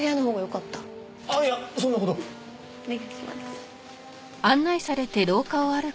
お願いします。